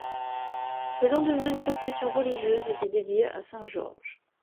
Le lendemain, une procession religieuse était dédiée à saint Georges.